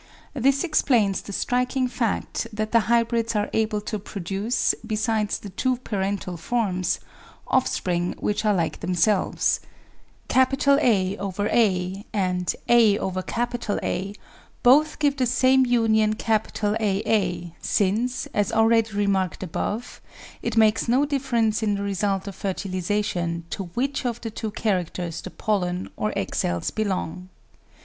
This explains the strik ing fact that the hybrids are able to produce, besides the two A a parental forms, offspring which are like themselves; — and — a A both give the same union A a, since, as already remarked above, it makes no difference in the result of fertilisation to which of the two characters the pollen or egg cells belong.